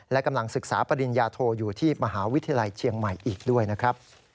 และกำลังศึกษาปริญญาโทอยู่ที่มหาวิทยาลัยเชียงใหม่อีกด้วยนะครับ